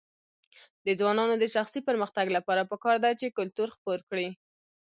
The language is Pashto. د ځوانانو د شخصي پرمختګ لپاره پکار ده چې کلتور خپور کړي.